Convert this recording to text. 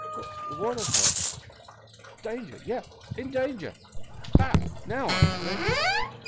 But what of her? Danger yes in danger. Ha! now I have it!"